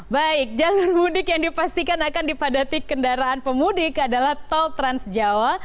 baik jalur mudik yang dipastikan akan dipadati kendaraan pemudik adalah tol trans jawa